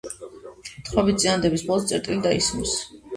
თხრობითი წინადადების ბოლოს წერტილი დაისმის.